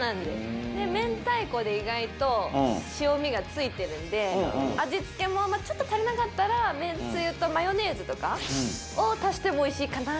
明太子で意外と塩味が付いてるんで味付けもまあちょっと足りなかったらめんつゆとマヨネーズとかを足してもおいしいかな。